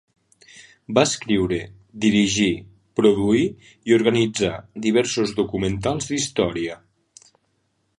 Va escriure, dirigir, produir i organitzar diversos documentals d'història.